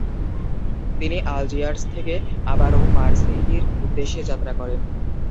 তিনি আলজিয়ার্স থেকে আবারও মারসেইলির উদ্দেশ্যে যাত্রা করেন।